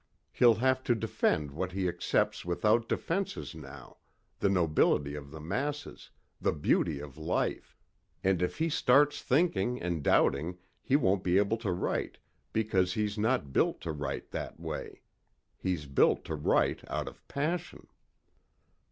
He'll have to defend what he accepts without defenses now the nobility of the masses, the beauty of life. And if he starts thinking and doubting he won't be able to write because he's not built to write that way. He's built to write out of passion."